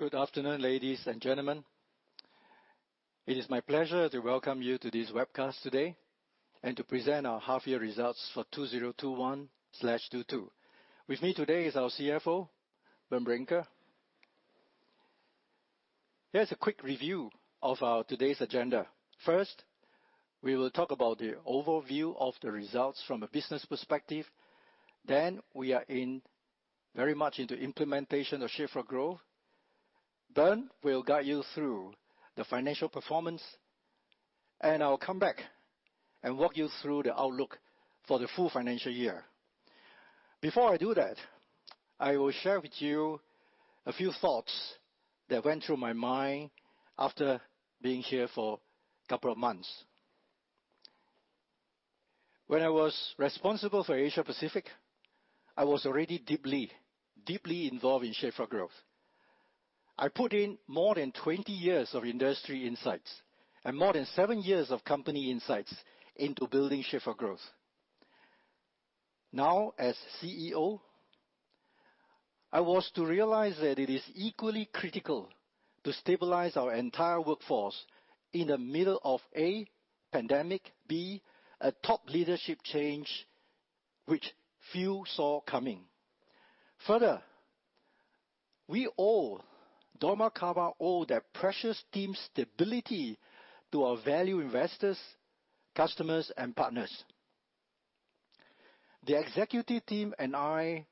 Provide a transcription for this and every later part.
Good afternoon, ladies and gentlemen. It is my pleasure to welcome you to this webcast today and to present our half year results for 2021/22. With me today is our CFO, Bernd Brinker. Here's a quick review of today's agenda. First, we will talk about the overview of the results from a business perspective. Then we are very much into implementation of Shape4Growth. Bernd will guide you through the financial performance. I'll come back and walk you through the outlook for the full financial year. Before I do that, I will share with you a few thoughts that went through my mind after being here for a couple of months. When I was responsible for Asia Pacific, I was already deeply involved in Shape4Growth. I put in more than 20 years of industry insights and more than seven years of company insights into building Shape4Growth. Now, as CEO, I was to realize that it is equally critical to stabilize our entire workforce in the middle of a pandemic, b, a top leadership change which few saw coming. Further, dormakaba owe their precious team stability to our value investors, customers, and partners. The executive team and I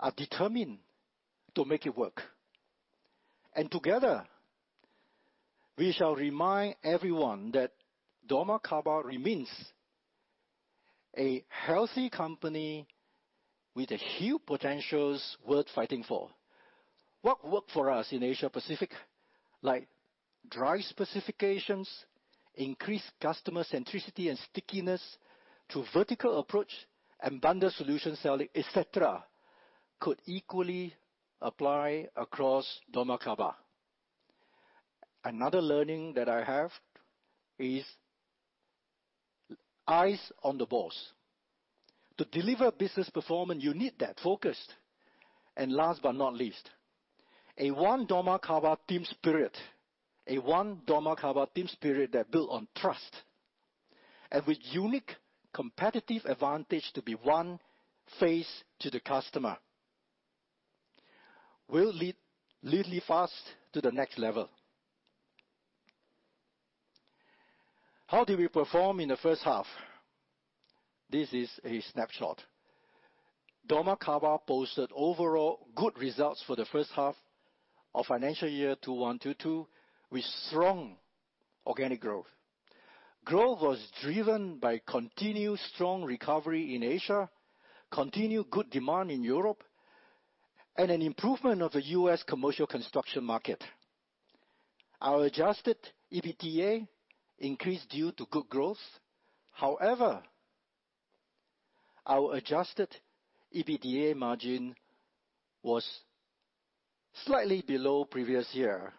are determined to make it work. Together, we shall remind everyone that dormakaba remains a healthy company with a huge potential worth fighting for. What worked for us in Asia Pacific, like drive specifications, increased customer centricity and stickiness to vertical approach and bundle solution selling, et cetera, could equally apply across dormakaba. Another learning that I have is eye on the ball. To deliver business performance, you need that focus. Last but not least, one dormakaba team spirit. One dormakaba team spirit that builds on trust. With unique competitive advantage to be one face to the customer will lead us to the next level. How did we perform in the first half? This is a snapshot. dormakaba posted overall good results for the first half of financial year 2021/22 with strong organic growth. Growth was driven by continued strong recovery in Asia, continued good demand in Europe, and an improvement of the U.S. commercial construction market. Our adjusted EBITDA increased due to good growth. However, our adjusted EBITDA margin was slightly below previous year.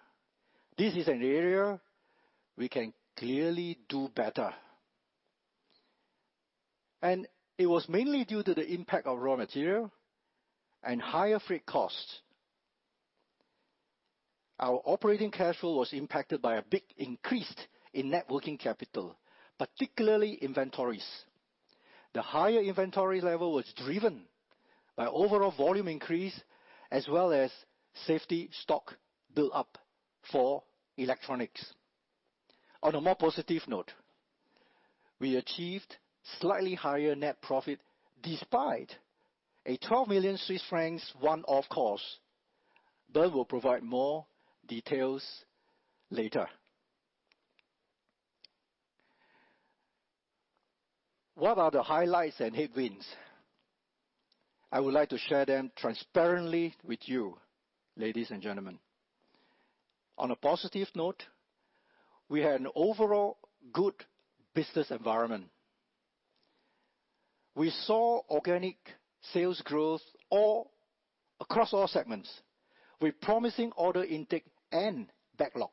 This is an area we can clearly do better. It was mainly due to the impact of raw material and higher freight costs. Our operating cash flow was impacted by a big increase in net working capital, particularly inventories. The higher inventory level was driven by overall volume increase as well as safety stock built up for electronics. On a more positive note, we achieved slightly higher net profit despite a 12 million Swiss francs one-off cost. Bernd will provide more details later. What are the highlights and headwinds? I would like to share them transparently with you, ladies and gentlemen. On a positive note, we had an overall good business environment. We saw organic sales growth all across all segments with promising order intake and backlog.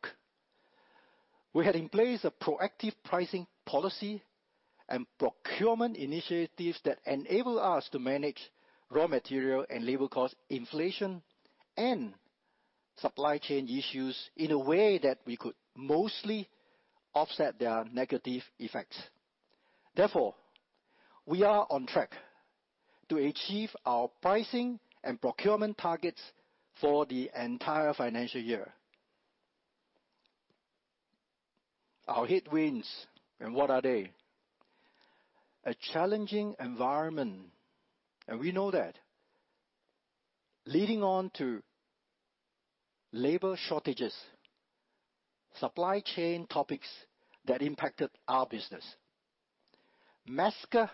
We had in place a proactive pricing policy and procurement initiatives that enable us to manage raw material and labor cost inflation and supply chain issues in a way that we could mostly offset their negative effects. Therefore, we are on track to achieve our pricing and procurement targets for the entire financial year. Our headwinds and what are they? A challenging environment, and we know that. Leading on to labor shortages, supply chain topics that impacted our business. Macro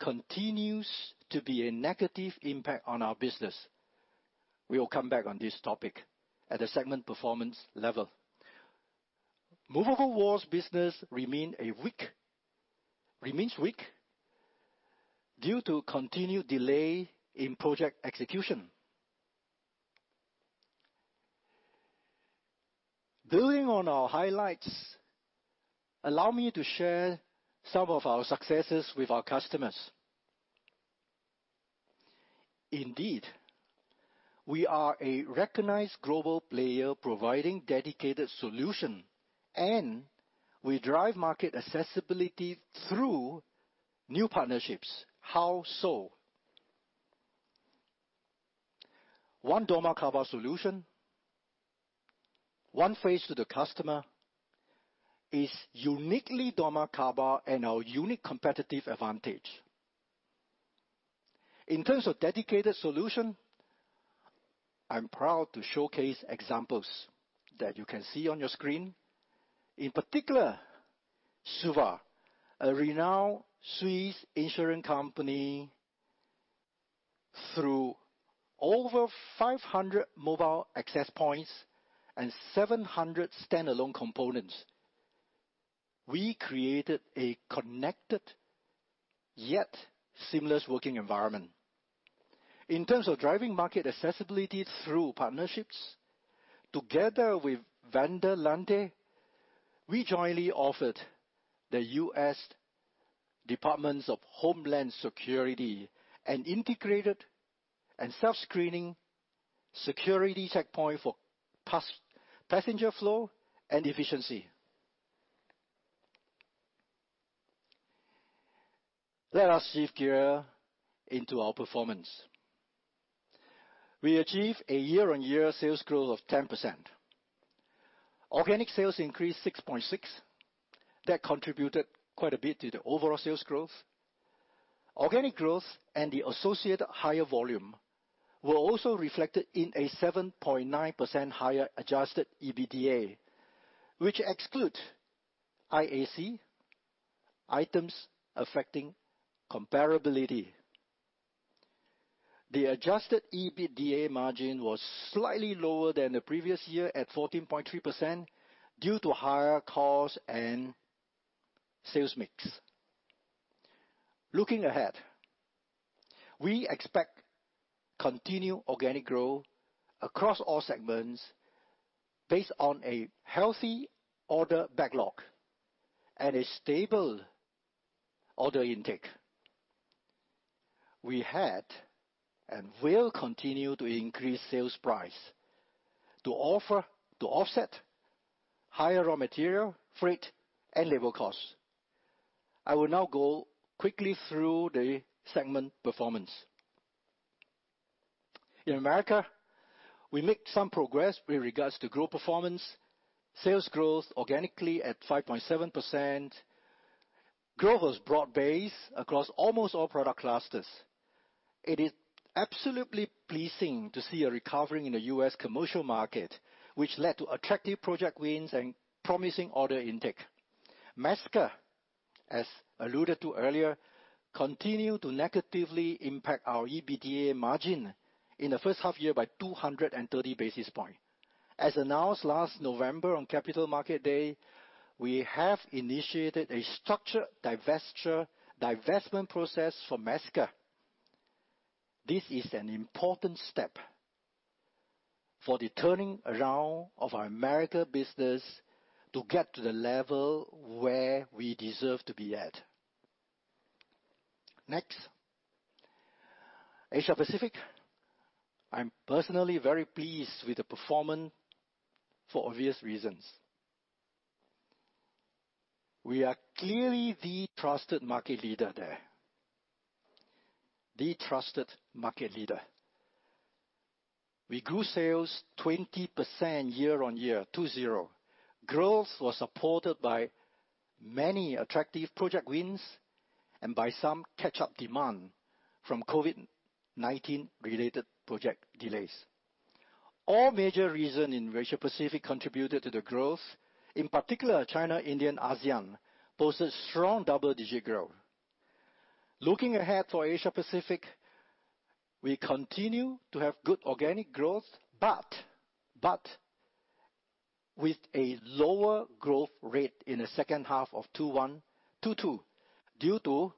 continues to be a negative impact on our business. We will come back on this topic at a segment performance level. Movable Walls business remains weak due to continued delay in project execution. Building on our highlights, allow me to share some of our successes with our customers. Indeed, we are a recognized global player providing dedicated solution, and we drive market accessibility through new partnerships. How so? One dormakaba solution, one face to the customer is uniquely dormakaba and our unique competitive advantage. In terms of dedicated solution, I'm proud to showcase examples that you can see on your screen. In particular, Suva, a renowned Swiss insurance company. Through over 500 mobile access points and 700 standalone components, we created a connected yet seamless working environment. In terms of driving market accessibility through partnerships, together with Vanderlande, we jointly offered the U.S. Department of Homeland Security an integrated and self-screening security checkpoint for passenger flow and efficiency. Let us shift gear into our performance. We achieved a year-on-year sales growth of 10%. Organic sales increased 6.6%. That contributed quite a bit to the overall sales growth. Organic growth and the associated higher volume were also reflected in a 7.9% higher adjusted EBITDA, which excludes IAC items affecting comparability. The adjusted EBITDA margin was slightly lower than the previous year at 14.3% due to higher costs and sales mix. Looking ahead, we expect continued organic growth across all segments based on a healthy order backlog and a stable order intake. We had and will continue to increase sales price to offset higher raw material, freight, and labor costs. I will now go quickly through the segment performance. In America, we made some progress with regards to growth performance. Sales growth organically at 5.7%. Growth was broad-based across almost all product clusters. It is absolutely pleasing to see a recovery in the U.S. commercial market, which led to attractive project wins and promising order intake. Mesker, as alluded to earlier, continued to negatively impact our EBITDA margin in the first half year by 230 basis points. As announced last November on Capital Market Day, we have initiated a structured divestment process for Mesker. This is an important step for the turning around of our Americas business to get to the level where we deserve to be at. Next, Asia Pacific. I'm personally very pleased with the performance for obvious reasons. We are clearly the trusted market leader there. The trusted market leader. We grew sales 20% year-on-year, 2020. Growth was supported by many attractive project wins and by some catch-up demand from COVID-19 related project delays. All major regions in Asia Pacific contributed to the growth. In particular, China, India, and ASEAN posted strong double-digit growth. Looking ahead for Asia Pacific, we continue to have good organic growth, but with a lower growth rate in the second half of 2021, 2022 due to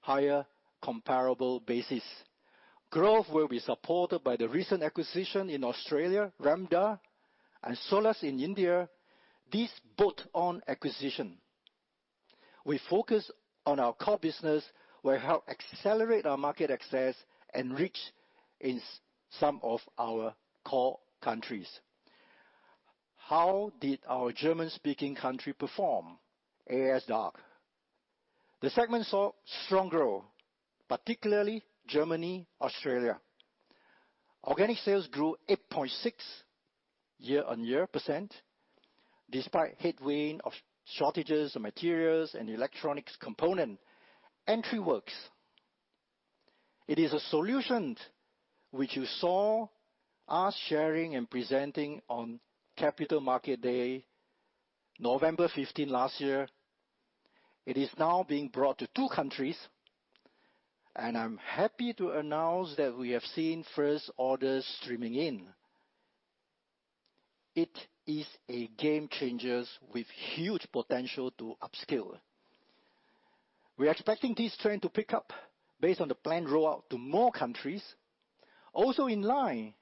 higher comparable basis. Growth will be supported by the recent acquisition in Australia, RELBDA, and Solus in India. These bolt-on acquisition. Focusing on our core business will help accelerate our market access and reach in some of our core countries. How did our German-speaking country perform? AS DACH. The segment saw strong growth, particularly Germany, Australia. Organic sales grew 8.6% year-on-year, despite headwind of shortages of materials and electronics component. EntriWorX. It is a solution which you saw us sharing and presenting on Capital Market Day, November 15 last year. It is now being brought to two countries, and I'm happy to announce that we have seen first orders streaming in. It is a game changers with huge potential to upscale. We are expecting this trend to pick up based on the planned rollout to more countries. Also in line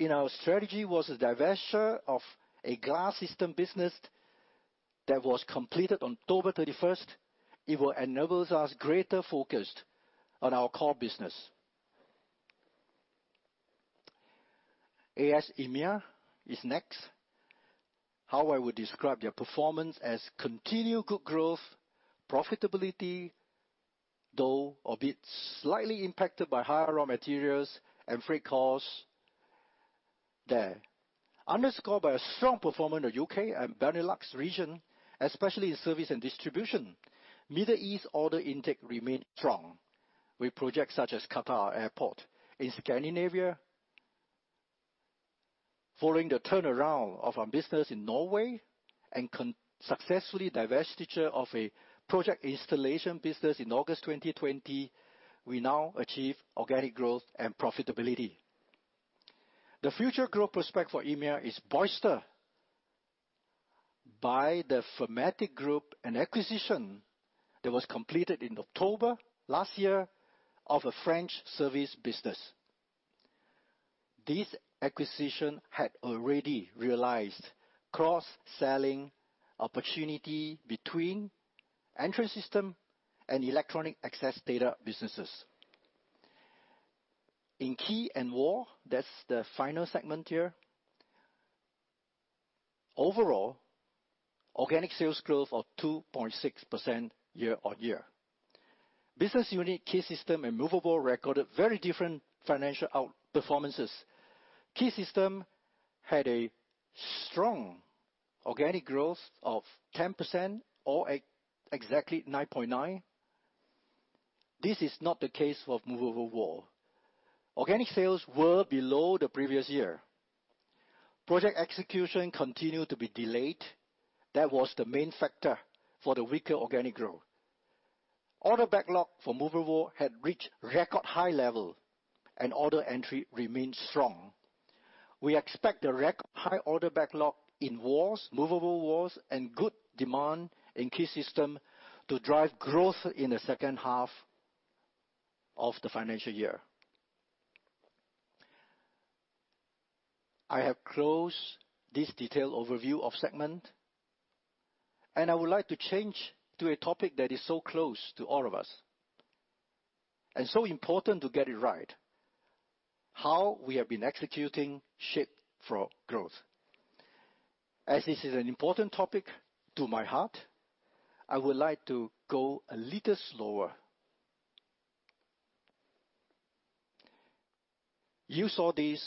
with our strategy was a divestiture of a glass system business that was completed on October 31st. It will enable us greater focus on our core business. AS EMEA is next. How I would describe their performance is continued good growth, profitability, though a bit slightly impacted by higher raw materials and freight costs there. Underscored by a strong performance in the U.K. and Benelux region, especially in service and distribution. Middle East order intake remained strong with projects such as Qatar Airport. In Scandinavia, following the turnaround of our business in Norway and successfully divestiture of a project installation business in August 2020, we now achieve organic growth and profitability. The future growth prospect for EMEA is boosted by the Fermatic Group acquisition that was completed in October last year of a French service business. This acquisition had already realized cross-selling opportunity between entrance system and electronic access data businesses. In Key & Wall, that's the final segment here. Overall, organic sales growth of 2.6% year-on-year. Business unit Key Systems and Movable Walls recorded very different financial out-performances. Key Systems had a strong organic growth of 10% or exactly 9.9%. This is not the case for Movable Walls. Organic sales were below the previous year. Project execution continued to be delayed. That was the main factor for the weaker organic growth. Order backlog for Movable Walls had reached record high level and order entry remained strong. We expect the record-high order backlog in Movable Walls and good demand in Key Systems to drive growth in the second half of the financial year. I have closed this detailed overview of segments, and I would like to change to a topic that is so close to all of us and so important to get it right. How we have been executing Shape4Growth. As this is an important topic to my heart, I would like to go a little slower. You saw this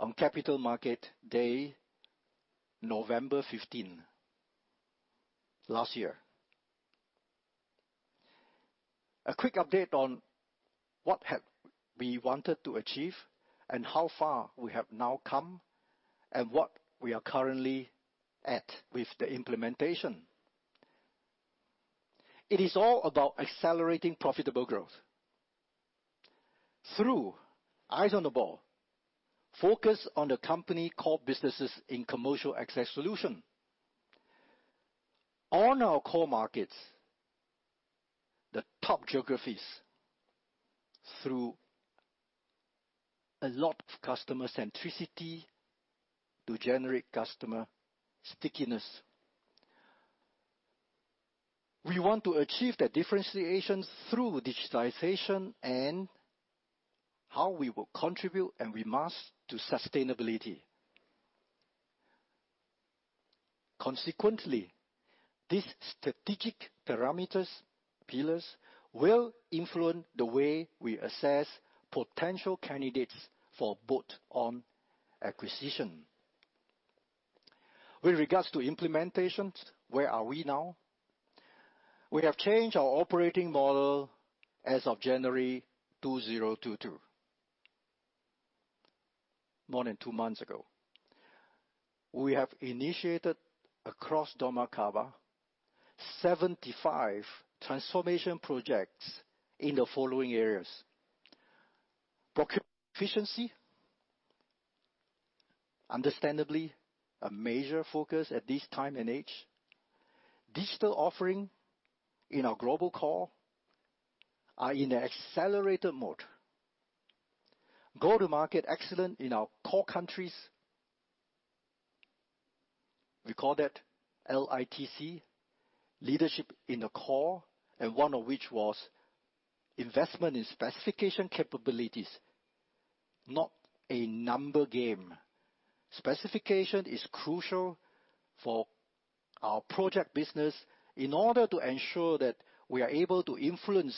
on Capital Market Day, November 15 last year. A quick update on what have we wanted to achieve and how far we have now come and what we are currently at with the implementation. It is all about accelerating profitable growth through eyes on the ball, focus on the company core businesses in commercial access solution. On our core markets, the top geographies through a lot of customer centricity to generate customer stickiness. We want to achieve the differentiation through digitization and how we will contribute and we must to sustainability. Consequently, this strategic parameters pillars will influence the way we assess potential candidates for both on acquisition. With regards to implementations, where are we now? We have changed our operating model as of January 2022. More than two months ago, we have initiated across dormakaba 75 transformation projects in the following areas. Procurement efficiency. Understandably, a major focus at this time and age. Digital offering in our global core are in accelerated mode. Go to market excellence in our core countries. We call that LITC, leadership in the core, and one of which was investment in specification capabilities, not a number game. Specification is crucial for our project business in order to ensure that we are able to influence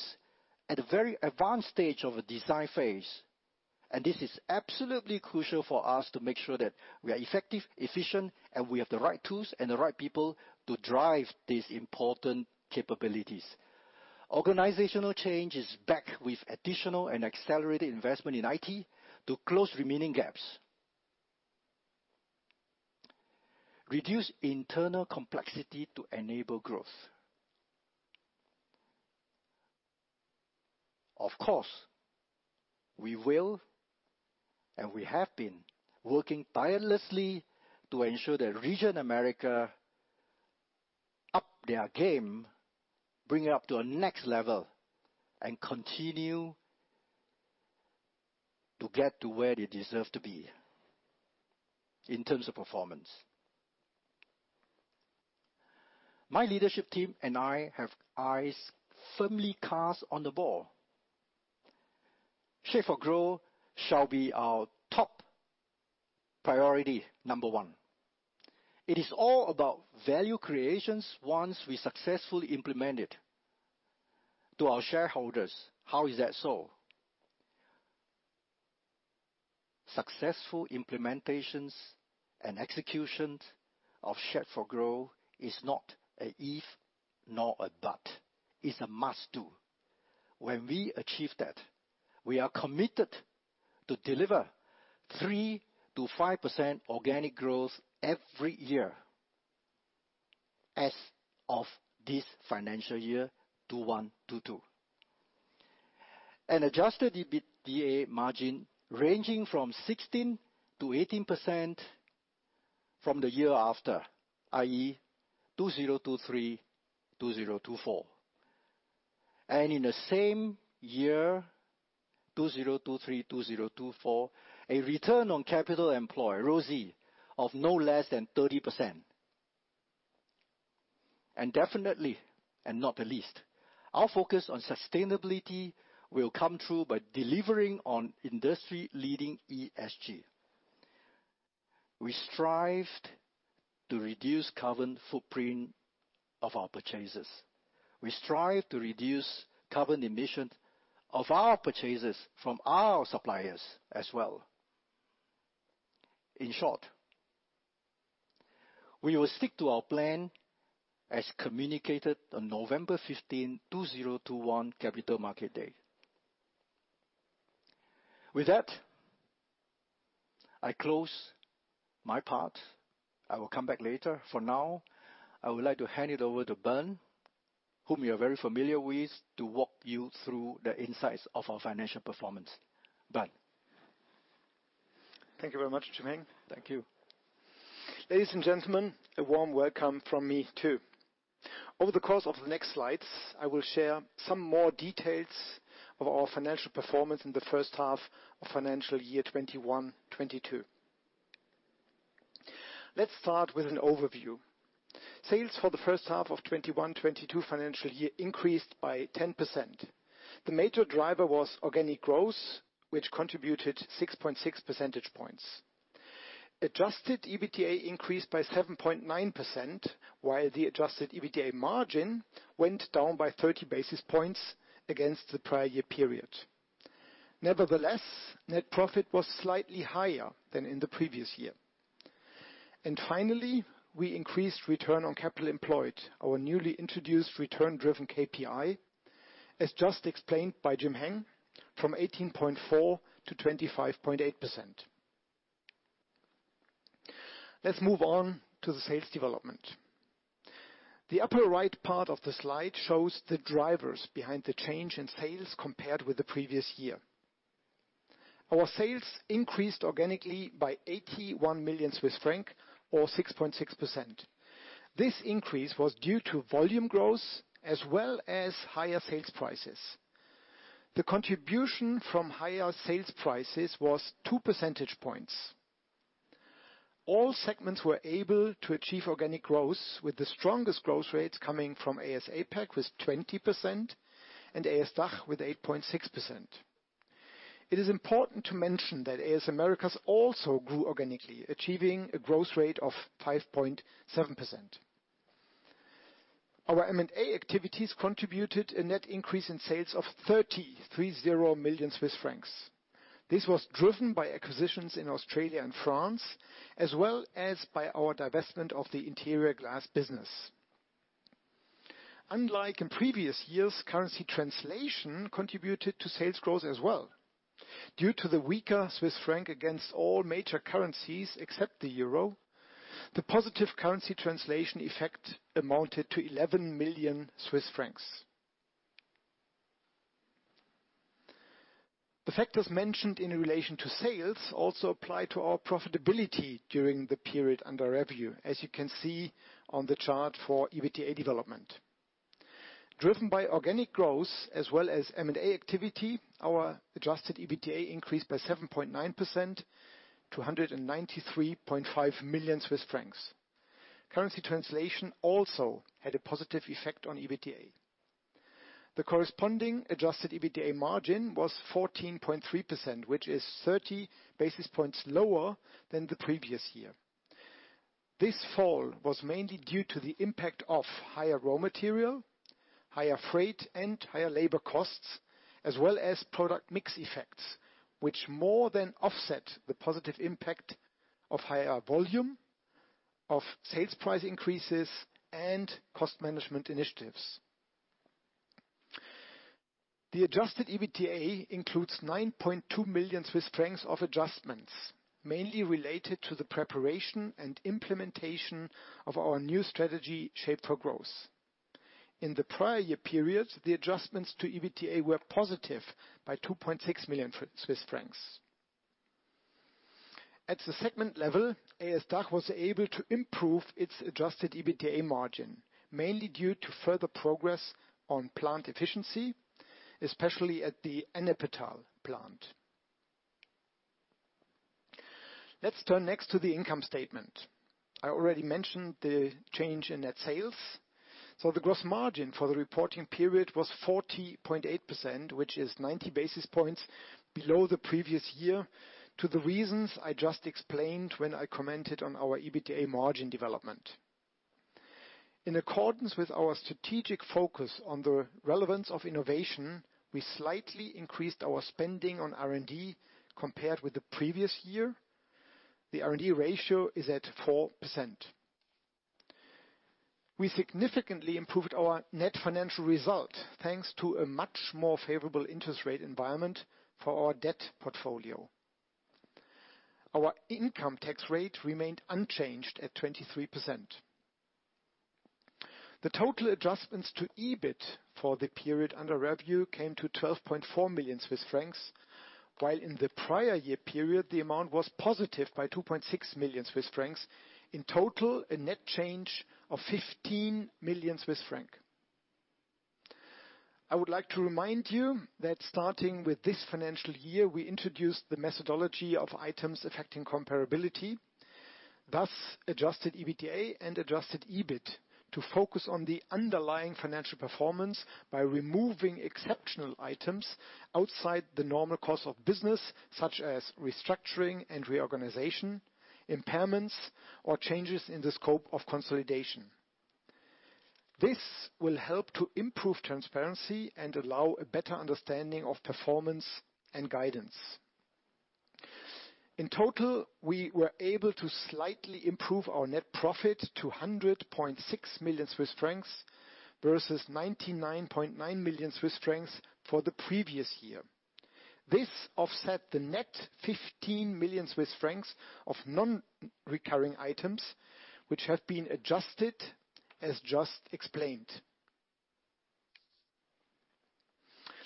at a very advanced stage of a design phase. This is absolutely crucial for us to make sure that we are effective, efficient, and we have the right tools and the right people to drive these important capabilities. Organizational change is back with additional and accelerated investment in IT to close remaining gaps. Reduce internal complexity to enable growth. Of course, we will and we have been working tirelessly to ensure that region Americas. They're aiming to bring it up to a next level and continue to get to where they deserve to be in terms of performance. My leadership team and I have eyes firmly cast on the ball. Shape4Growth shall be our top priority, number one. It is all about value creation once we successfully implement it. To our shareholders, how is that so? Successful implementations and executions of Shape4Growth is not an if nor a but. It's a must do. When we achieve that, we are committed to deliver 3%-5% organic growth every year as of this financial year, 2021-2022. An adjusted EBITDA margin ranging from 16%-18% from the year after, i.e., 2023-2024. In the same year, 2023, 2024, a return on capital employed, ROCE, of no less than 30%. Definitely, last but not least, our focus on sustainability will come through by delivering on industry-leading ESG. We strived to reduce carbon footprint of our purchases. We strive to reduce carbon emission of our purchases from our suppliers as well. In short, we will stick to our plan as communicated on November 15, 2021, Capital Market Day. With that, I close my part. I will come back later. For now, I would like to hand it over to Bernd, whom you are very familiar with, to walk you through the insights of our financial performance. Bernd. Thank you very much, Jim-Heng. Thank you. Ladies and gentlemen, a warm welcome from me, too. Over the course of the next slides, I will share some more details of our financial performance in the first half of financial year 2021-2022. Let's start with an overview. Sales for the first half of 2021-2022 financial year increased by 10%. The major driver was organic growth, which contributed 6.6 percentage points. Adjusted EBITDA increased by 7.9%, while the adjusted EBITDA margin went down by 30 basis points against the prior-year period. Nevertheless, net profit was slightly higher than in the previous year. Finally, we increased return on capital employed, our newly introduced return-driven KPI, as just explained by Jim-Heng, from 18.4% to 25.8%. Let's move on to the sales development. The upper right part of the slide shows the drivers behind the change in sales compared with the previous year. Our sales increased organically by 81 million Swiss francs or 6.6%. This increase was due to volume growth as well as higher sales prices. The contribution from higher sales prices was 2 percentage points. All segments were able to achieve organic growth with the strongest growth rates coming from AS APAC with 20% and AS DACH with 8.6%. It is important to mention that AS AMER also grew organically, achieving a growth rate of 5.7%. Our M&A activities contributed a net increase in sales of 30 million Swiss francs. This was driven by acquisitions in Australia and France, as well as by our divestment of the interior glass business. Unlike in previous years, currency translation contributed to sales growth as well. Due to the weaker Swiss franc against all major currencies except the euro, the positive currency translation effect amounted to 11 million Swiss francs. The factors mentioned in relation to sales also apply to our profitability during the period under review, as you can see on the chart for EBITDA development. Driven by organic growth as well as M&A activity, our adjusted EBITDA increased by 7.9% to 193.5 million Swiss francs. Currency translation also had a positive effect on EBITDA. The corresponding adjusted EBITDA margin was 14.3%, which is 30 basis points lower than the previous year. This fall was mainly due to the impact of higher raw material, higher freight, and higher labor costs, as well as product mix effects, which more than offset the positive impact of higher volume, of sales price increases, and cost management initiatives. The adjusted EBITDA includes 9.2 million Swiss francs of adjustments, mainly related to the preparation and implementation of our new strategy, Shape4Growth. In the prior-year periods, the adjustments to EBITDA were positive by 2.6 million Swiss francs. At the segment level, AS DACH was able to improve its adjusted EBITDA margin, mainly due to further progress on plant efficiency, especially at the Ennepetal plant. Let's turn next to the income statement. I already mentioned the change in net sales. The gross margin for the reporting period was 40.8%, which is 90 basis points below the previous year due to the reasons I just explained when I commented on our EBITDA margin development. In accordance with our strategic focus on the relevance of innovation, we slightly increased our spending on R&D compared with the previous year. The R&D ratio is at 4%. We significantly improved our net financial result thanks to a much more favorable interest rate environment for our debt portfolio. Our income tax rate remained unchanged at 23%. The total adjustments to EBIT for the period under review came to 12.4 million Swiss francs, while in the prior-year period, the amount was positive by 2.6 million Swiss francs. In total, a net change of 15 million Swiss francs. I would like to remind you that starting with this financial year, we introduced the methodology of items affecting comparability, thus adjusted EBITDA and adjusted EBIT to focus on the underlying financial performance by removing exceptional items outside the normal course of business, such as restructuring and reorganization, impairments or changes in the scope of consolidation. This will help to improve transparency and allow a better understanding of performance and guidance. In total, we were able to slightly improve our net profit to 100.6 million Swiss francs versus 99.9 million Swiss francs for the previous year. This offset the net 15 million Swiss francs of non-recurring items which have been adjusted as just explained.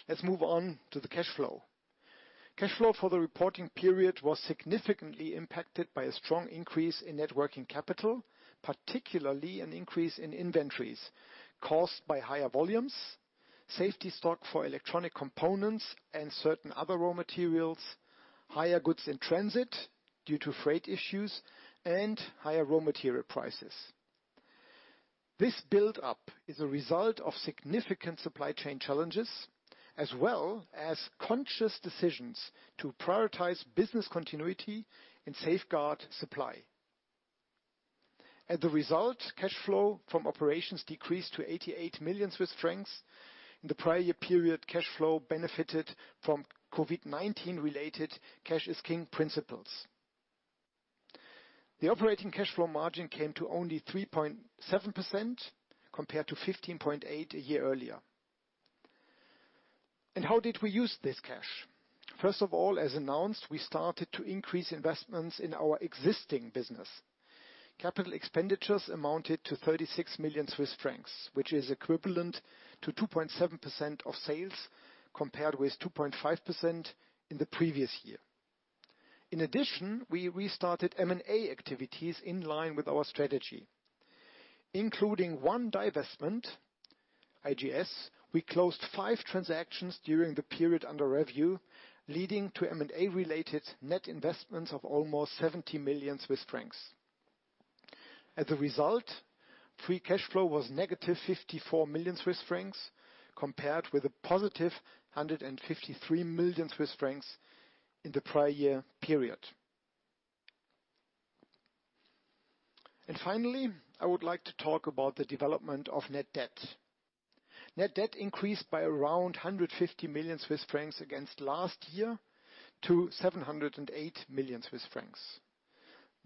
Let's move on to the cash flow. Cash flow for the reporting period was significantly impacted by a strong increase in net working capital, particularly an increase in inventories caused by higher volumes, safety stock for electronic components and certain other raw materials, higher goods in transit due to freight issues, and higher raw material prices. This build-up is a result of significant supply chain challenges as well as conscious decisions to prioritize business continuity and safeguard supply. As a result, cash flow from operations decreased to 88 million Swiss francs. In the prior-year period, cash flow benefited from COVID-19 related cash is king principles. The operating cash flow margin came to only 3.7% compared to 15.8% a year earlier. How did we use this cash? First of all, as announced, we started to increase investments in our existing business. Capital expenditures amounted to 36 million Swiss francs, which is equivalent to 2.7% of sales, compared with 2.5% in the previous year. In addition, we restarted M&A activities in line with our strategy, including one divestment, IGS. We closed five transactions during the period under review, leading to M&A-related net investments of almost 70 million Swiss francs. As a result, free cash flow was negative 54 million Swiss francs, compared with a positive 153 million Swiss francs in the prior-year period. Finally, I would like to talk about the development of net debt. Net debt increased by around 150 million Swiss francs against last year to 708 million Swiss francs.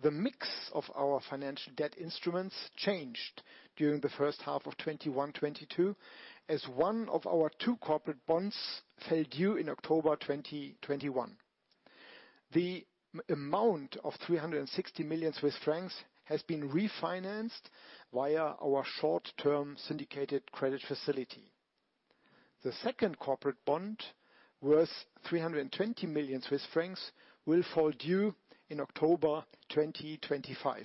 The mix of our financial debt instruments changed during the first half of 2021-2022, as one of our two corporate bonds fell due in October 2021. The amount of 360 million Swiss francs has been refinanced via our short-term syndicated credit facility. The second corporate bond, worth 320 million Swiss francs, will fall due in October 2025.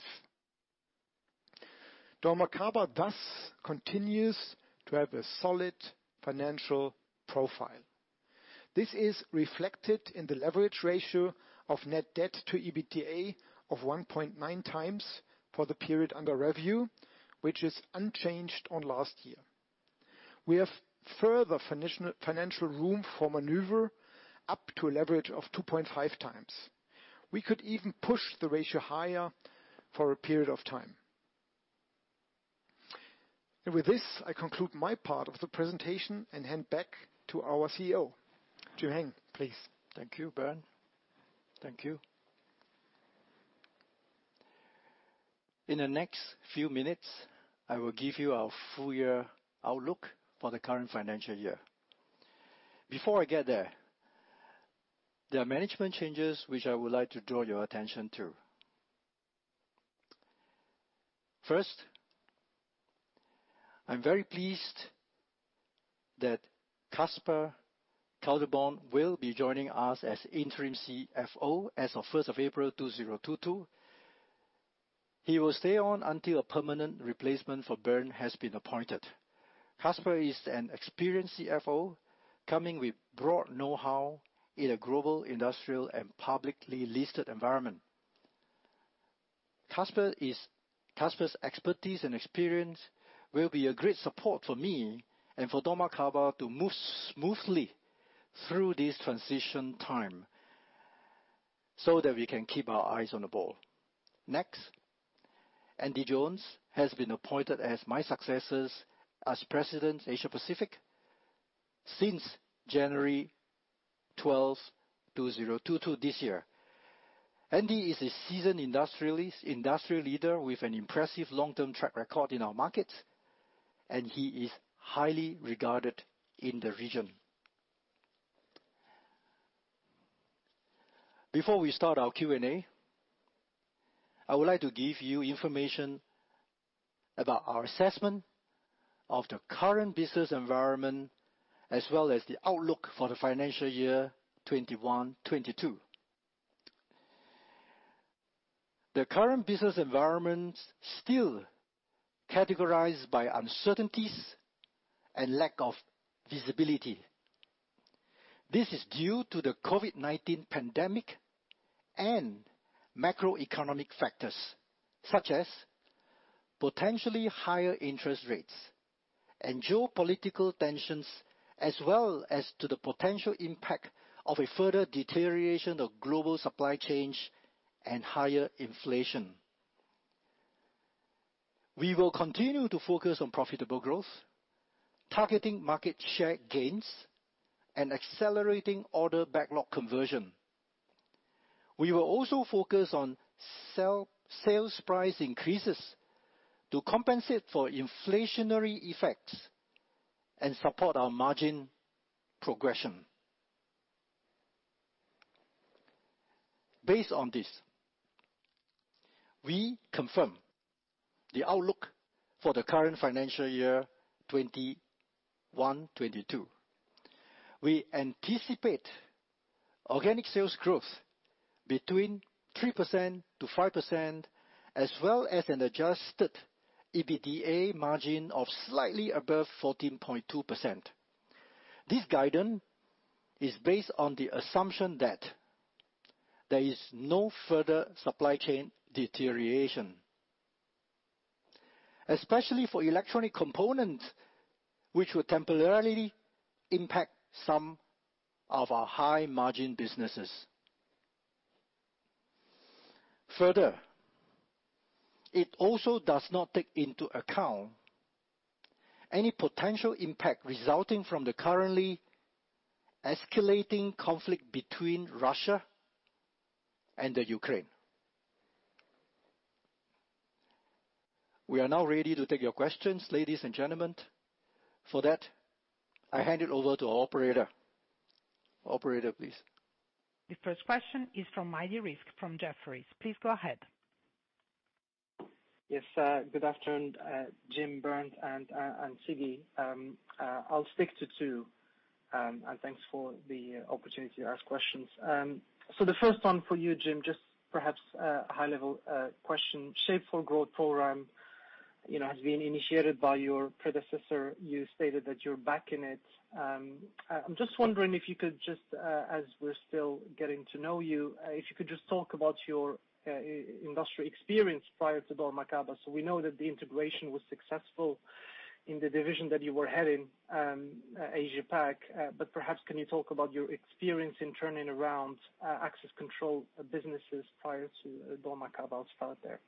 dormakaba thus continues to have a solid financial profile. This is reflected in the leverage ratio of net debt to EBITDA of 1.9x for the period under review, which is unchanged on last year. We have further financial room for maneuver up to a leverage of 2.5x. We could even push the ratio higher for a period of time. With this, I conclude my part of the presentation and hand back to our CEO, Jim-Heng, please. Thank you, Bernd. Thank you. In the next few minutes, I will give you our full-year outlook for the current financial year. Before I get there are management changes which I would like to draw your attention to. First, I'm very pleased that Kaspar Kelterborn will be joining us as interim CFO as of 1st April 2022. He will stay on until a permanent replacement for Bernd has been appointed. Kaspar Kelterborn is an experienced CFO coming with broad know-how in a global, industrial, and publicly listed environment. Kaspar's expertise and experience will be a great support for me and for dormakaba to move smoothly through this transition time so that we can keep our eyes on the ball. Next, Andy Jones has been appointed as my successor as President, Asia Pacific since January 12, 2022 this year. Andy is a seasoned industrialist, industrial leader with an impressive long-term track record in our markets, and he is highly regarded in the region. Before we start our Q&A, I would like to give you information about our assessment of the current business environment, as well as the outlook for the financial year 2021, 2022. The current business environment is still characterized by uncertainties and lack of visibility. This is due to the COVID-19 pandemic and macroeconomic factors, such as potentially higher interest rates and geopolitical tensions, as well as to the potential impact of a further deterioration of global supply chains and higher inflation. We will continue to focus on profitable growth, targeting market share gains, and accelerating order backlog conversion. We will also focus on sales price increases to compensate for inflationary effects and support our margin progression. Based on this, we confirm the outlook for the current financial year 2021-2022. We anticipate organic sales growth between 3%-5%, as well as an adjusted EBITDA margin of slightly above 14.2%. This guidance is based on the assumption that there is no further supply chain deterioration, especially for electronic components, which will temporarily impact some of our high-margin businesses. Further, it also does not take into account any potential impact resulting from the currently escalating conflict between Russia and the Ukraine. We are now ready to take your questions, ladies and gentlemen. For that, I hand it over to our operator. Operator, please. The first question is from Maidi Rizk from Jefferies. Please go ahead. Yes. Good afternoon, Jim, Bernd, and Ziggy. I'll speak to two and thanks for the opportunity to ask questions. The first one for you, Jim, just perhaps a high-level question. Shape4Growth program, you know, has been initiated by your predecessor. You stated that you're backing it. I'm just wondering if you could just, as we're still getting to know you, if you could just talk about your industry experience prior to dormakaba. We know that the integration was successful in the division that you were heading, Asia Pac. But perhaps can you talk about your experience in turning around access control businesses prior to dormakaba's part there?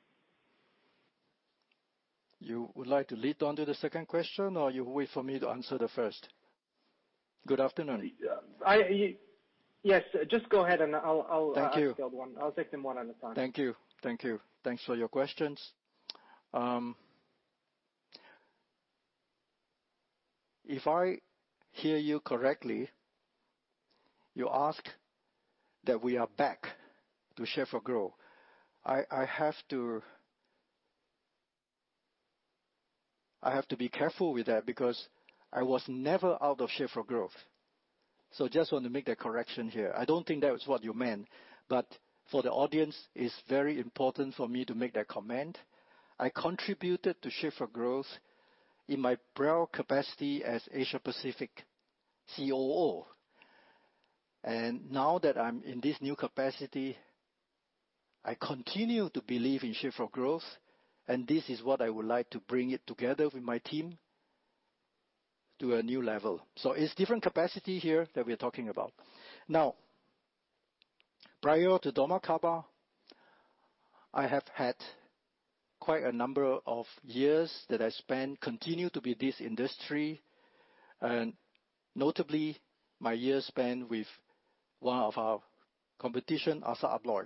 you like to move on to the second question, or wait for me to answer the first? Good afternoon. Yes. Just go ahead and I'll ask the other one. Thank you. I'll take them one at a time. Thank you. Thanks for your questions. If I hear you correctly, you ask that we are back to Shape4Growth. I have to be careful with that because I was never out of Shape4Growth. I just want to make that correction here. I don't think that was what you meant. For the audience, it's very important for me to make that comment. I contributed to Shape4Growth in my prior capacity as Asia Pacific COO. Now that I'm in this new capacity, I continue to believe in Shape4Growth, and this is what I would like to bring it together with my team to a new level. It's different capacity here that we're talking about. Now, prior to dormakaba, I have had quite a number of years that I spent continuing in this industry, and notably, my years spent with one of our competitors, ASSA ABLOY.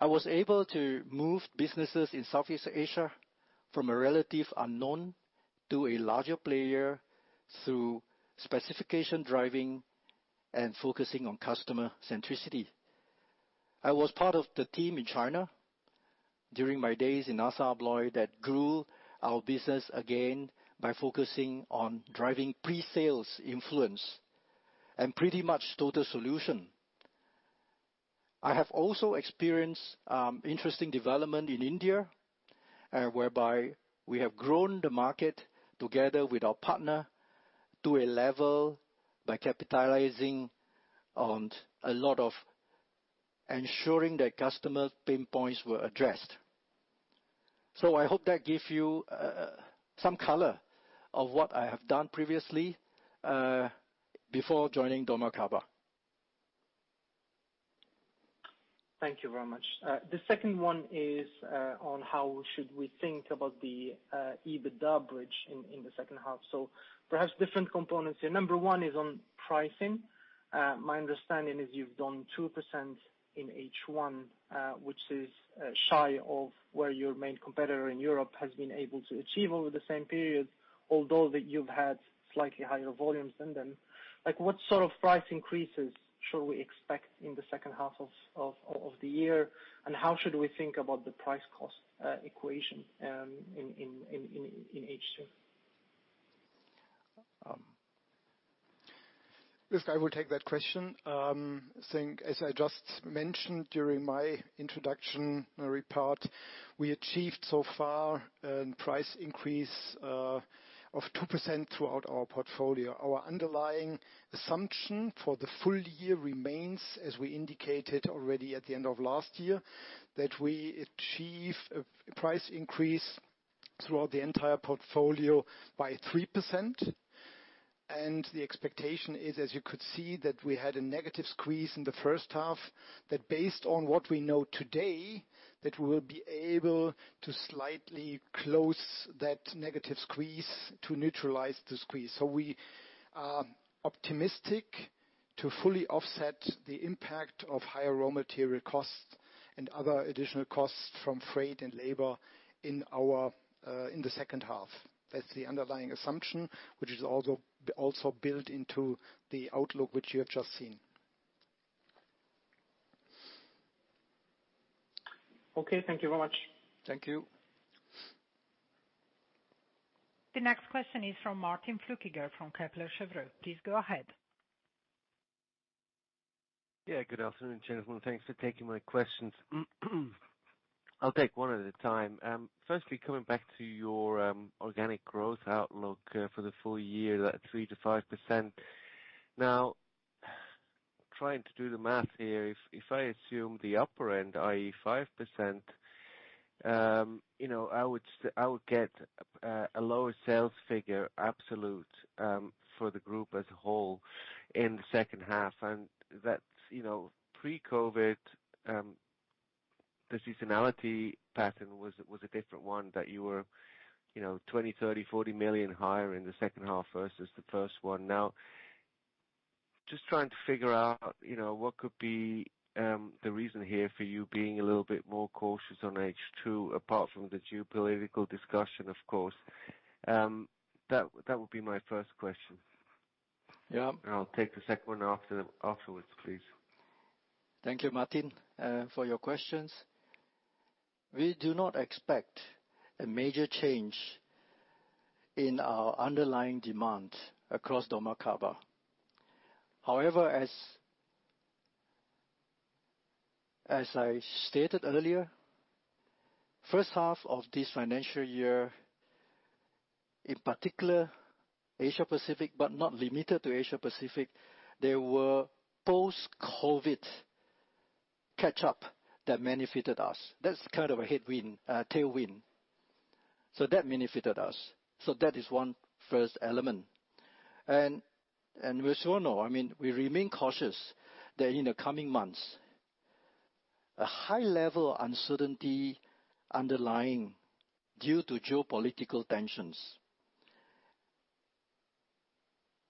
I was able to move businesses in Southeast Asia from a relative unknown to a larger player through specification driving and focusing on customer centricity. I was part of the team in China during my days in ASSA ABLOY that grew our business again by focusing on driving pre-sales influence and pretty much total solution. I have also experienced interesting development in India, whereby we have grown the market together with our partner to a level by capitalizing on a lot of ensuring that customer pain points were addressed. I hope that give you some color of what I have done previously before joining dormakaba. Thank you very much. The second one is on how should we think about the EBITDA bridge in the second half. Perhaps different components. Number one is on pricing. My understanding is you've done 2% in H1, which is shy of where your main competitor in Europe has been able to achieve over the same period, although that you've had slightly higher volumes than them. Like, what sort of price increases should we expect in the second half of the year, and how should we think about the price-cost equation in H2? This guy will take that question. Saying, as I just mentioned during my introduction report, we achieved so far a price increase of 2% throughout our portfolio. Our underlying assumption for the full year remains as we indicated already at the end of last year, that we achieve a price increase throughout the entire portfolio by 3%. The expectation is, as you could see, that we had a negative squeeze in the first half, that based on what we know today, that we'll be able to slightly close that negative squeeze to neutralize the squeeze. We are optimistic to fully offset the impact of higher raw material costs and other additional costs from freight and labor in our, in the second half. That's the underlying assumption, which is also built into the outlook which you have just seen. Okay, thank you very much. Thank you. The next question is from Martin Flueckiger, from Kepler Cheuvreux. Please go ahead. Yeah, good afternoon, gentlemen. Thanks for taking my questions. I'll take one at a time. Firstly, coming back to your organic growth outlook for the full year, that 3%-5%. Now, trying to do the math here. If I assume the upper end, i.e., 5%, you know, I would get a lower sales figure, absolute, for the group as a whole in the second half. And that's, you know, pre-COVID, the seasonality pattern was a different one that you were, you know, 20 million, 30 million, 40 million higher in the second half versus the first one. Now, just trying to figure out, you know, what could be the reason here for you being a little bit more cautious on H2, apart from the geopolitical discussion, of course. That would be my first question. Yeah. I'll take the second one afterwards, please. Thank you, Martin, for your questions. We do not expect a major change in our underlying demand across dormakaba. However, as I stated earlier, first half of this financial year, in particular Asia-Pacific, but not limited to Asia-Pacific, there were post-COVID catch up that benefited us. That's kind of a headwind, tailwind. So that benefited us. So that is one first element. We sure know, I mean, we remain cautious that in the coming months, a high level of uncertainty underlying due to geopolitical tensions.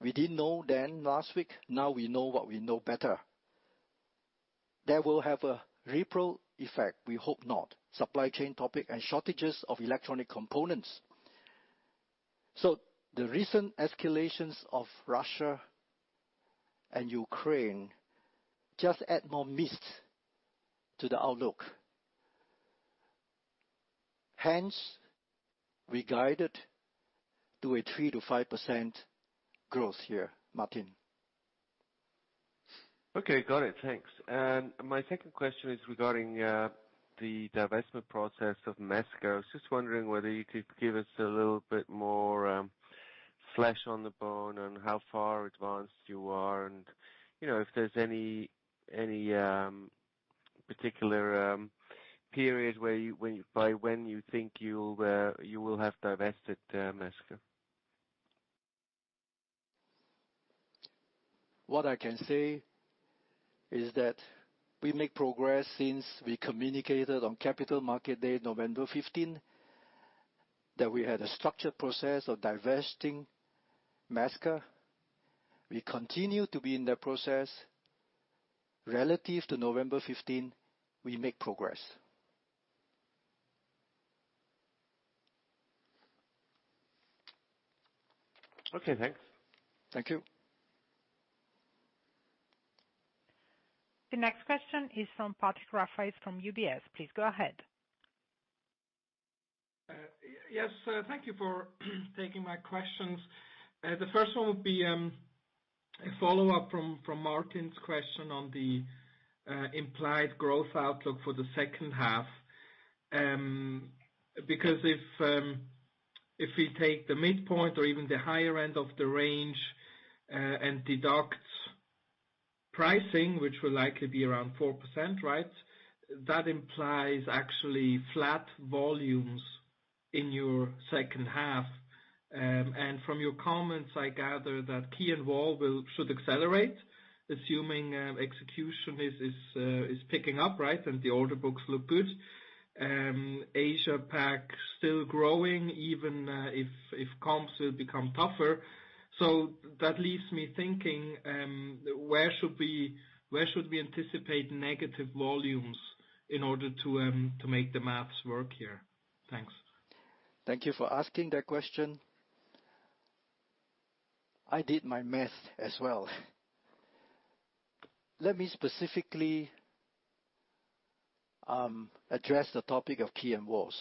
We didn't know then last week, now we know what we know better. That will have a ripple effect, we hope not, supply chain topic and shortages of electronic components. So the recent escalations of Russia and Ukraine just add more mist to the outlook. Hence, we guided to a 3%-5% growth here, Martin. Okay, got it. Thanks. My second question is regarding the divestment process of Mesker. I was just wondering whether you could give us a little bit more flesh on the bone on how far advanced you are and, you know, if there's any particular period by when you think you'll have divested Mesker. What I can say is that we make progress since we communicated on Capital Market Day, November 15, that we had a structured process of divesting Mesker. We continue to be in that process. Relative to November 15, we make progress. Okay, thanks. Thank you. The next question is from Patrick Rafaisz from UBS. Please go ahead. Yes. Thank you for taking my questions. The first one would be a follow-up from Martin's question on the implied growth outlook for the second half. Because if we take the midpoint or even the higher end of the range and deduct pricing, which will likely be around 4%, right? That implies actually flat volumes in your second half. From your comments, I gather that Key & Wall should accelerate, assuming execution is picking up, right? The order books look good. Asia Pac still growing, even if comps will become tougher. That leaves me thinking, where should we anticipate negative volumes in order to make the math work here? Thanks. Thank you for asking that question. I did my math as well. Let me specifically address the topic of Key & Wall.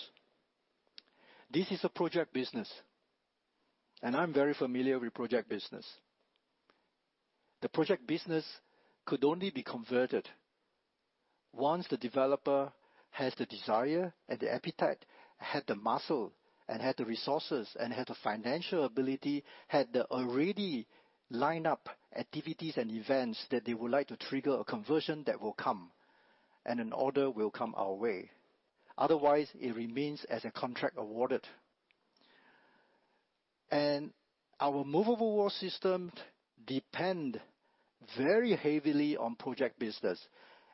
This is a project business, and I'm very familiar with project business. The project business could only be converted once the developer has the desire and the appetite, had the muscle, and had the resources, and had the financial ability, had already lined up activities and events that they would like to trigger a conversion that will come, and an order will come our way. Otherwise, it remains as a contract awarded. Our movable wall system depends very heavily on project business,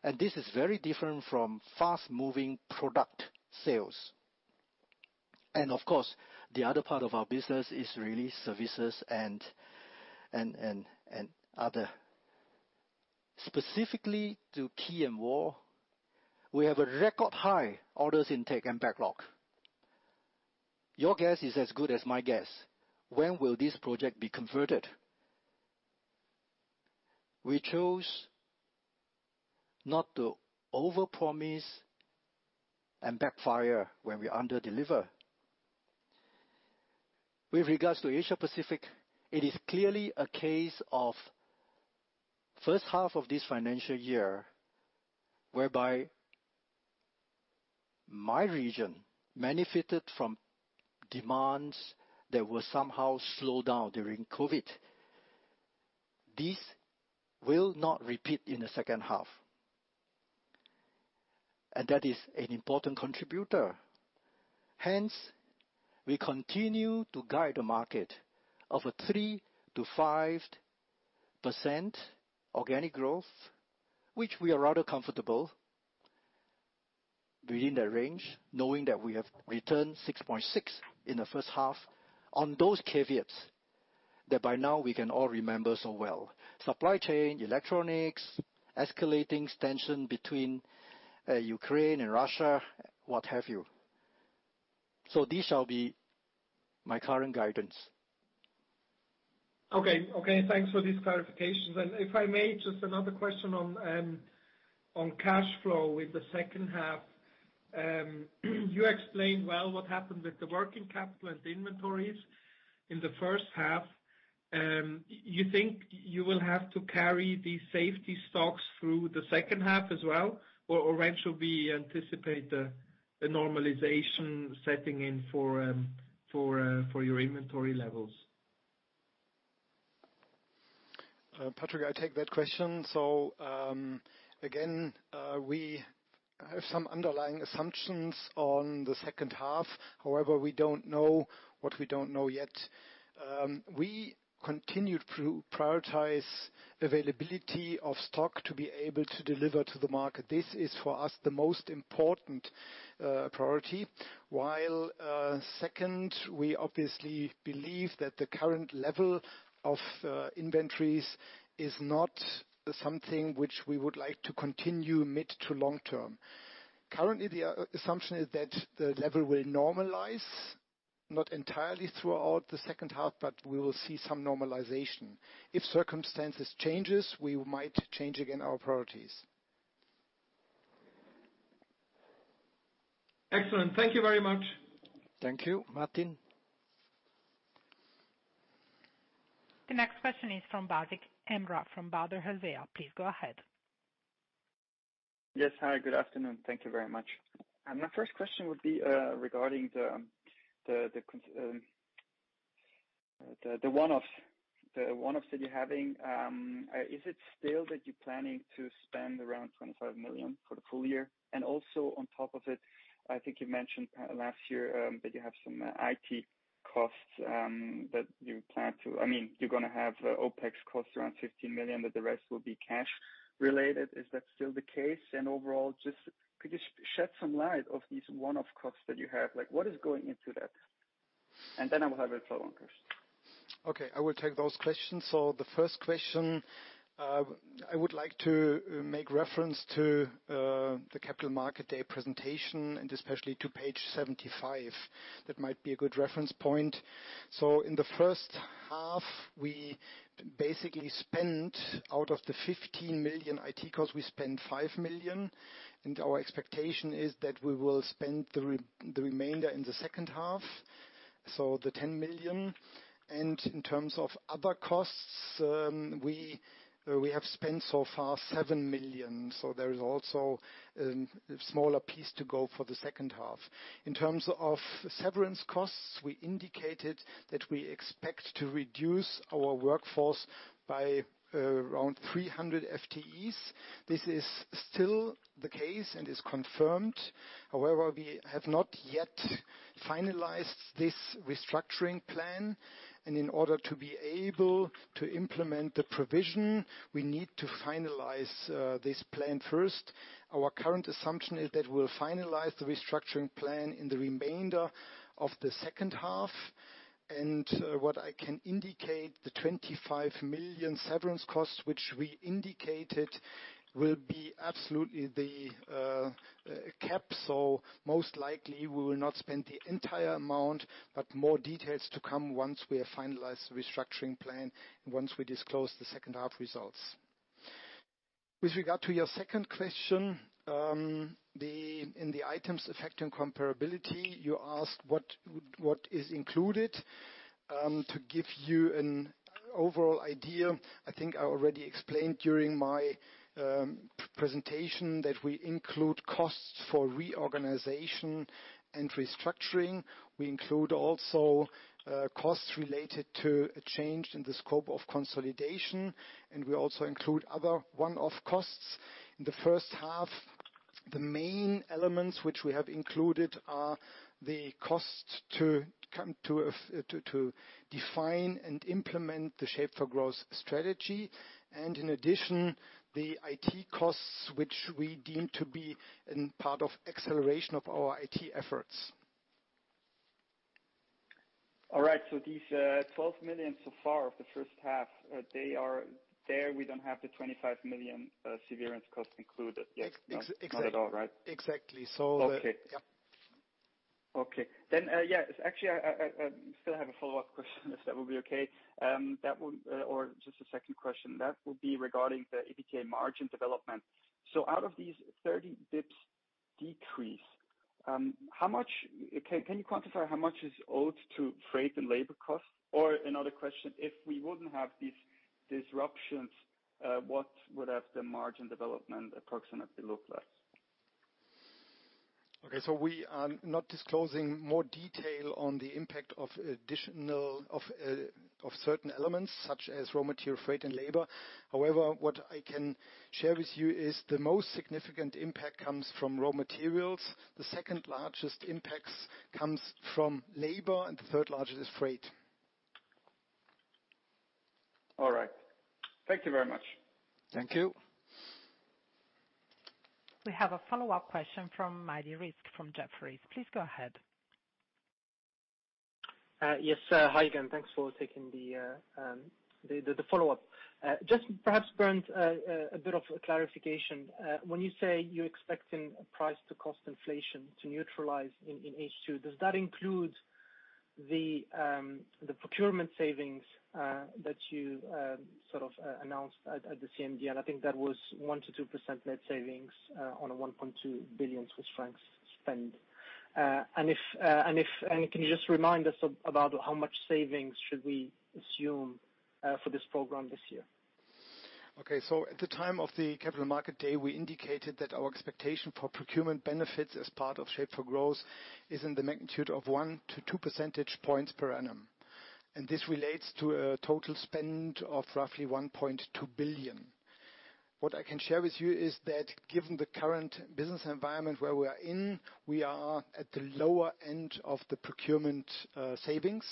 and this is very different from fast moving product sales. Of course, the other part of our business is really services and other. Specifically to Key & Wall, we have a record high order intake and backlog. Your guess is as good as my guess. When will this project be converted? We chose not to overpromise and backfire when we underdeliver. With regards to Asia Pacific, it is clearly a case of first half of this financial year, whereby my region benefited from demands that were somehow slowed down during COVID. This will not repeat in the second half. That is an important contributor. Hence, we continue to guide the market of a 3%-5% organic growth, which we are rather comfortable within that range, knowing that we have returned 6.6% in the first half on those caveats that by now we can all remember so well. Supply chain, electronics, escalating tension between Ukraine and Russia, what have you. This shall be my current guidance. Okay. Thanks for this clarifications. If I may, just another question on cash flow with the second half. You explained well what happened with the working capital and the inventories in the first half. You think you will have to carry these safety stocks through the second half as well, or when should we anticipate the normalization setting in for your inventory levels? Patrick, I take that question. Again, we have some underlying assumptions on the second half. However, we don't know what we don't know yet. We continued to prioritize availability of stock to be able to deliver to the market. This is, for us, the most important priority, while second, we obviously believe that the current level of inventories is not something which we would like to continue mid to long term. Currently, the assumption is that the level will normalize, not entirely throughout the second half, but we will see some normalization. If circumstances change, we might change again our priorities. Excellent. Thank you very much. Thank you. Martin. The next question is from Basic Emrah from Baader Helvea. Please go ahead. Yes. Hi, good afternoon. Thank you very much. My first question would be regarding the one-offs that you're having. Is it still that you're planning to spend around 25 million for the full year? Also on top of it, I think you mentioned last year that you have some IT costs. I mean, you're gonna have OPEX costs around 15 million, but the rest will be cash related. Is that still the case? Overall, just could you shed some light on these one-off costs that you have? Like, what is going into that? Then I will have a follow-on question. Okay, I will take those questions. The first question, I would like to make reference to the Capital Market Day presentation, and especially to page 75. That might be a good reference point. In the first half, we basically spent out of the 15 million IT costs, we spent 5 million, and our expectation is that we will spend the remainder in the second half, so the 10 million. In terms of other costs, we have spent so far 7 million. There is also a smaller piece to go for the second half. In terms of severance costs, we indicated that we expect to reduce our workforce by around 300 FTEs. This is still the case and is confirmed. However, we have not yet finalized this restructuring plan, and in order to be able to implement the provision, we need to finalize this plan first. Our current assumption is that we'll finalize the restructuring plan in the remainder of the second half. What I can indicate, the 25 million severance costs which we indicated will be absolutely the cap, so most likely we will not spend the entire amount, but more details to come once we have finalized the restructuring plan and once we disclose the second half results. With regard to your second question, in the items affecting comparability, you asked what is included. To give you an overall idea, I think I already explained during my presentation that we include costs for reorganization and restructuring. We include also costs related to a change in the scope of consolidation, and we also include other one-off costs. In the first half, the main elements which we have included are the costs to define and implement the Shape4Growth strategy. In addition, the IT costs, which we deem to be in part of acceleration of our IT efforts. All right. These 12 million so far of the first half, there we don't have the 25 million severance cost included yet. Ex-ex- Not at all, right? Exactly. Okay. Yeah. Okay. Yes. Actually, I still have a follow-up question, if that will be okay. Just a second question. That would be regarding the EBITDA margin development. Out of these 30 basis points decrease, can you quantify how much is owed to freight and labor costs? Another question, if we wouldn't have these disruptions, what would have the margin development approximately look like? Okay, we are not disclosing more detail on the impact of certain elements such as raw material, freight, and labor. However, what I can share with you is the most significant impact comes from raw materials. The second-largest impacts comes from labor, and the third largest is freight. All right. Thank you very much. Thank you. We have a follow-up question from Rizk Maidi from Jefferies. Please go ahead. Yes, sir. Hi again. Thanks for taking the follow-up. Just perhaps, Bernd, a bit of clarification. When you say you're expecting price to cost inflation to neutralize in H2, does that include the procurement savings that you sort of announced at the CMD? I think that was 1%-2% net savings on a 1.2 billion Swiss francs spend. Can you just remind us about how much savings we should assume for this program this year? Okay, at the time of the Capital Market Day, we indicated that our expectation for procurement benefits as part of Shape4Growth is in the magnitude of 1-2 percentage points per annum. This relates to a total spend of roughly 1.2 billion. What I can share with you is that given the current business environment where we are in, we are at the lower end of the procurement savings,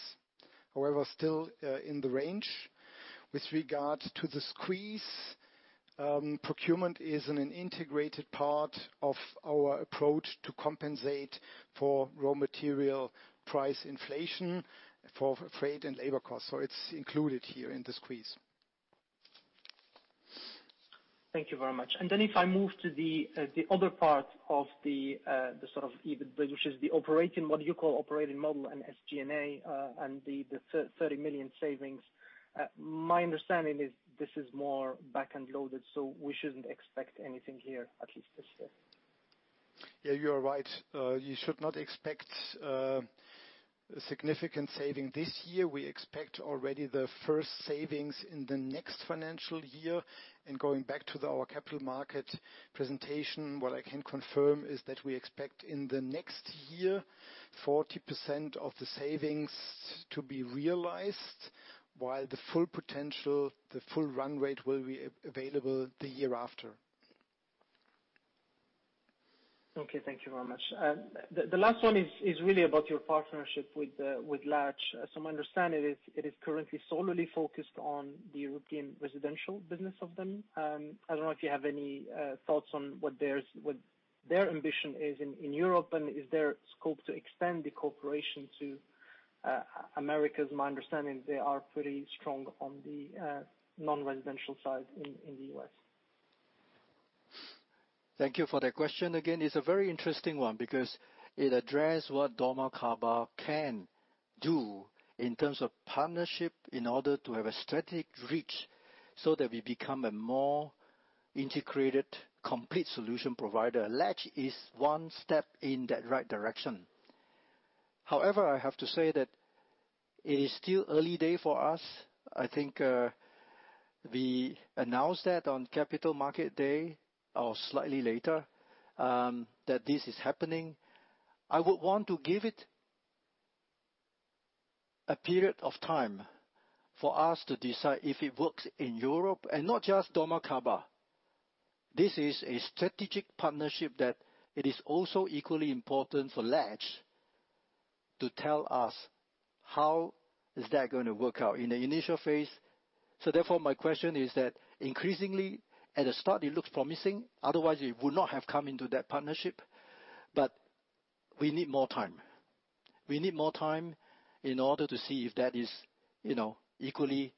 however, still in the range. With regard to the squeeze, procurement is an integrated part of our approach to compensate for raw material price inflation for freight and labor costs. It's included here in the squeeze. Thank you very much. Then if I move to the other part of the sort of EBITDA, which is the operating, what you call operating model and SG&A, and the 30 million savings. My understanding is this is more back-end loaded, so we shouldn't expect anything here at least this year. Yeah, you are right. You should not expect a significant saving this year. We expect already the first savings in the next financial year. Going back to our capital market presentation, what I can confirm is that we expect in the next year 40% of the savings to be realized, while the full potential, the full run rate will be available the year after. Okay, thank you very much. The last one is really about your partnership with Latch. As far as I understand, it is currently solely focused on the European residential business of them. I don't know if you have any thoughts on what there is, what- Their ambition is in Europe, and is there scope to extend the cooperation to Americas? My understanding, they are pretty strong on the non-residential side in the U.S. Thank you for that question. Again, it's a very interesting one because it address what dormakaba can do in terms of partnership in order to have a strategic reach so that we become a more integrated, complete solution provider. Latch is one step in that right direction. However, I have to say that it is still early day for us. I think, we announced that on Capital Market Day or slightly later, that this is happening. I would want to give it a period of time for us to decide if it works in Europe and not just dormakaba. This is a strategic partnership that it is also equally important for Latch to tell us how is that gonna work out in the initial phase. My question is that increasingly at the start, it looks promising, otherwise we would not have come into that partnership. We need more time in order to see if that is, you know, equally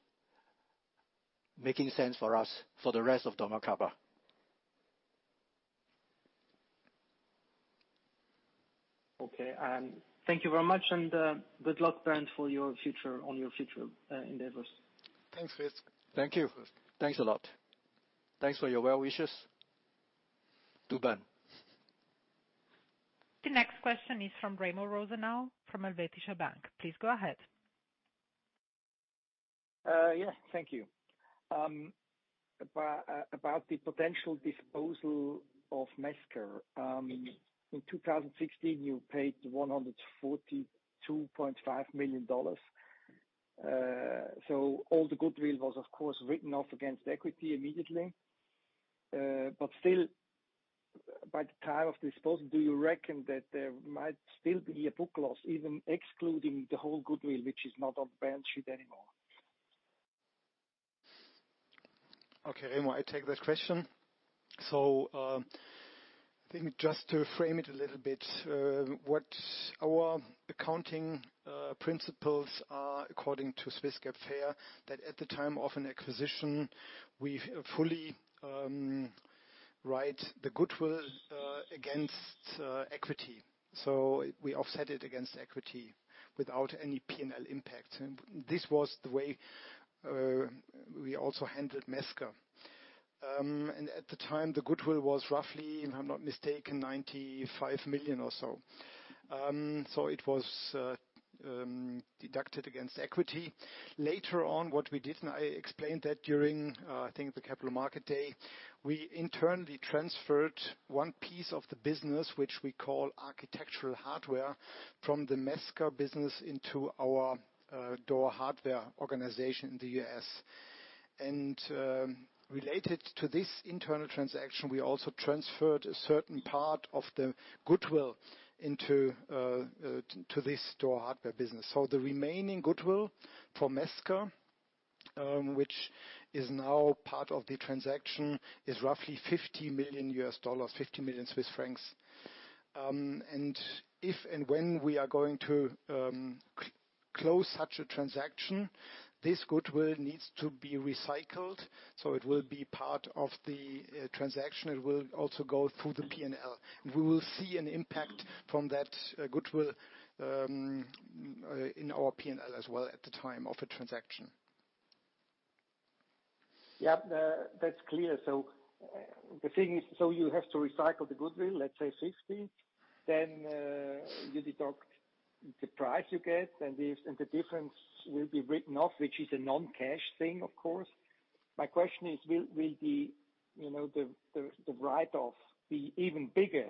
making sense for us for the rest of dormakaba. Okay. Thank you very much, and good luck, Bernd, on your future endeavors. Thanks, [Rizk]. Thank you. Thanks a lot. Thanks for your well wishes to Bernd. The next question is from Remo Rosenau, from Helvetische Bank. Please go ahead. Yes, thank you. About the potential disposal of Mesker. In 2016, you paid $142.5 million. So all the goodwill was of course written-off against equity immediately. But still, by the time of disposal, do you reckon that there might still be a book loss, even excluding the whole goodwill, which is not on the balance sheet anymore? Okay, Remo, I take that question. I thinkjust to frame it a little bit, what our accounting principles are according to Swiss GAAP FER that at the time of an acquisition, we fully write the goodwill against equity. We offset it against equity without any P&L impact. This was the way we also handled Mesker. At the time, the goodwill was roughly, if I'm not mistaken, 95 million or so. It was deducted against equity. Later on, what we did, and I explained that during, I think the Capital Market Day, we internally transferred one piece of the business, which we call Architectural Hardware, from the Mesker business into our Door Hardware organization in the U.S. Related to this internal transaction, we also transferred a certain part of the goodwill into to this Door Hardware business. The remaining goodwill for Mesker, which is now part of the transaction, is roughly $50 million, 50 million Swiss francs. If and when we are going to close such a transaction, this goodwill needs to be recycled, so it will be part of the transaction. It will also go through the P&L. We will see an impact from that goodwill in our P&L as well at the time of a transaction. Yeah, that's clear. The thing is, you have to recycle the goodwill, let's say 60 million. Then, you deduct the price you get, and the difference will be written-off, which is a non-cash thing, of course. My question is, will the, you know, the write-off be even bigger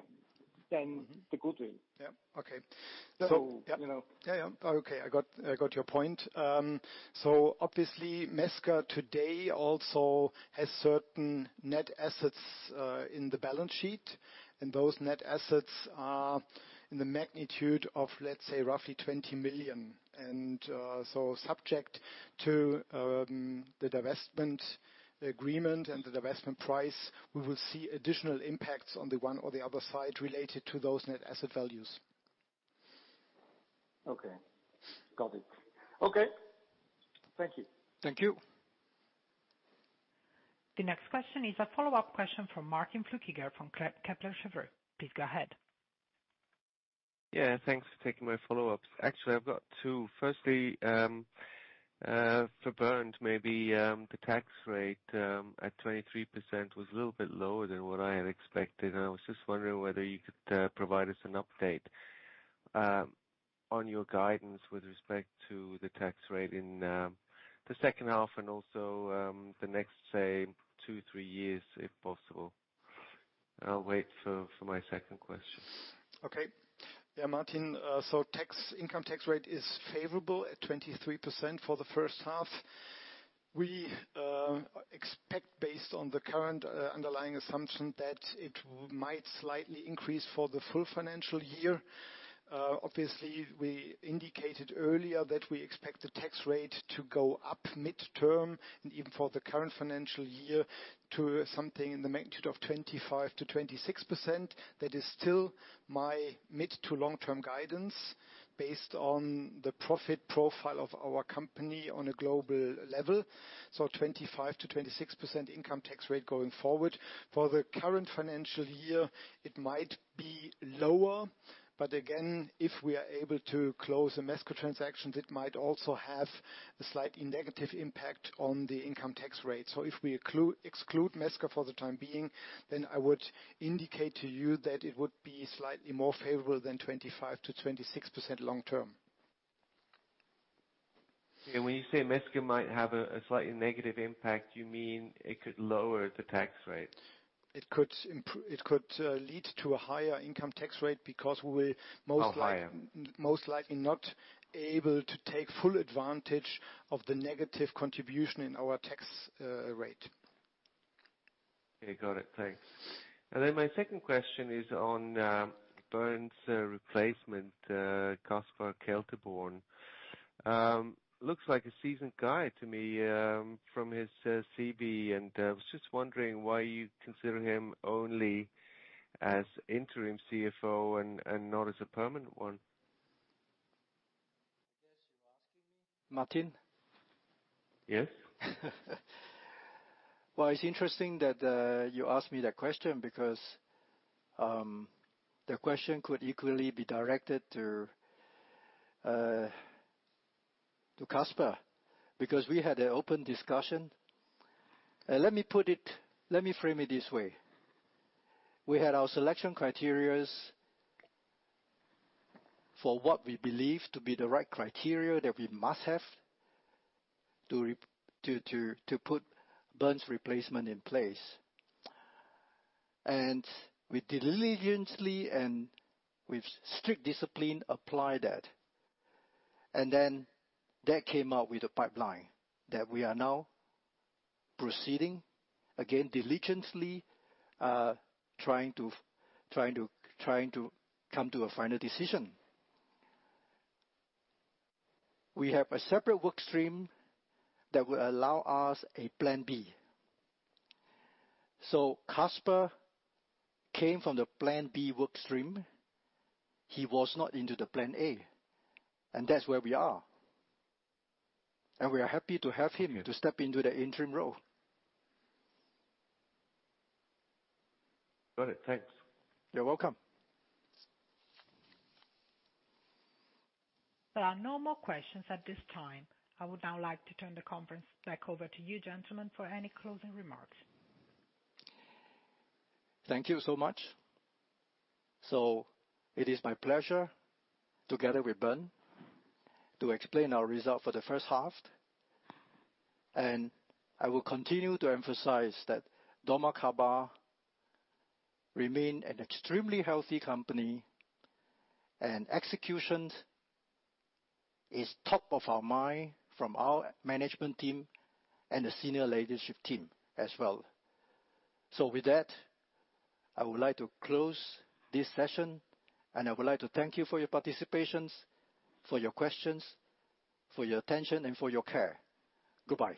than the goodwill? Yeah. Okay. You know. Yeah, yeah. Okay. I got your point. Obviously Mesker today also has certain net assets in the balance sheet, and those net assets are in the magnitude of, let's say, roughly 20 million. Subject to the divestment agreement and the divestment price, we will see additional impacts on the one or the other side related to those net-asset values. Okay. Got it. Okay. Thank you. Thank you. The next question is a follow-up question from Martin Flueckiger from Kepler Cheuvreux. Please go ahead. Yeah. Thanks for taking my follow-ups. Actually, I've got two. Firstly, for Bernd, maybe the tax rate at 23% was a little bit lower than what I had expected. I was just wondering whether you could provide us an update on your guidance with respect to the tax rate in the second half and also the next, say, two, three years, if possible. I'll wait for my second question. Okay. Yeah, Martin, so the income tax rate is favorable at 23% for the first half. We expect based on the current underlying assumption that it might slightly increase for the full financial year. Obviously, we indicated earlier that we expect the tax rate to go up midterm and even for the current financial year to something in the magnitude of 25%-26%. That is still my mid to long-term guidance based on the profit profile of our company on a global level. So 25%-26% income tax rate going forward. For the current financial year, it might be lower, but again, if we are able to close the Mesker transactions, it might also have a slightly negative impact on the income tax rate. If we exclude Mesker for the time being, then I would indicate to you that it would be slightly more favorable than 25%-26% long-term. When you say Mesker might have a slightly negative impact, you mean it could lower the tax rate? It could lead to a higher income tax rate because we're most likely. How higher? Most likely not able to take full advantage of the negative contribution in our tax rate. Okay. Got it. Thanks. Then my second question is on Bernd's replacement, Kaspar Kelterborn. Looks like a seasoned guy to me, from his CV, and was just wondering why you consider him only as interim CFO and not as a permanent one. I guess you're asking me, Martin? Yes. Well, it's interesting that you ask me that question because the question could equally be directed to Kaspar, because we had an open discussion. Let me put it. Let me frame it this way. We had our selection criteria for what we believe to be the right criteria that we must have to put Bernd's replacement in place. We diligently and with strict discipline apply that. That came out with a pipeline that we are now proceeding, again, diligently, trying to come to a final decision. We have a separate work stream that will allow us a plan B. Kaspar came from the plan B work stream. He was not into the plan A. That's where we are. We are happy to have him to step into the interim role. Got it. Thanks. You're welcome. There are no more questions at this time. I would now like to turn the conference back over to you, gentlemen, for any closing remarks. Thank you so much. It is my pleasure, together with Bernd, to explain our result for the first half. I will continue to emphasize that dormakaba remain an extremely healthy company, and execution is top of our mind from our management team and the senior leadership team as well. With that, I would like to close this session, and I would like to thank you for your participations, for your questions, for your attention, and for your care. Goodbye.